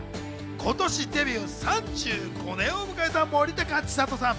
今年デビュー３５年を迎えた森高千里さん。